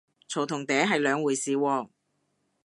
嘈同嗲係兩回事喎